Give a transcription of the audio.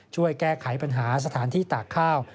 ช่วยแก้ไขปัญหาสถานที่ตากข้าว